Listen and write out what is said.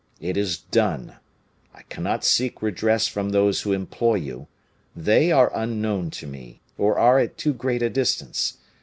It is done. I cannot seek redress from those who employ you, they are unknown to me, or are at too great a distance.